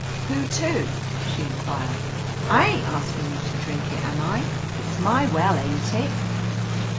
"Who to ?" she inquired. "I ain't askin' you to drink it, am I ? It's my well, ain't it